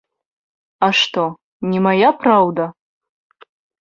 А што, не мая праўда?